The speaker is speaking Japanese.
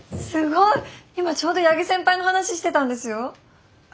今ちょうど八木先輩の話してたんですよ。